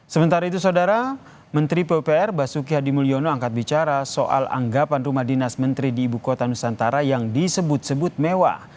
sementara itu saudara menteri pupr basuki hadi mulyono angkat bicara soal anggapan rumah dinas menteri di ibu kota nusantara yang disebut sebut mewah